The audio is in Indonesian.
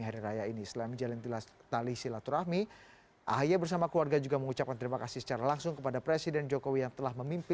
kedatangan ahi dan ibas untuk bersilatur rahmi sekaligus mengucapkan terima kasih atas kontribusi presiden jokowi